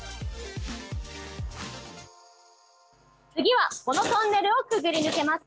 次はこのトンネルをくぐり抜けます。